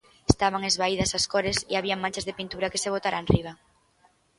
Estaban esvaídas as cores e había manchas de pintura que se botara enriba.